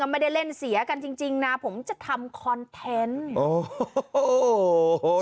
กับไม่ได้เล่นเสียกันจริงจริงนะผมจะทำคอนเทนต์โอ้โหโหโห